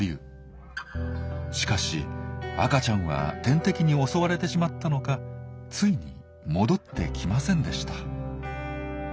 しかし赤ちゃんは天敵に襲われてしまったのかついに戻ってきませんでした。